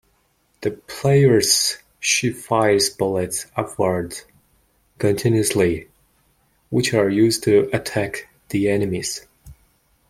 The player's ship fires bullets upwards continuously, which are used to attack the enemies.